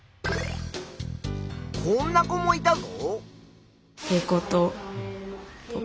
こんな子もいたぞ。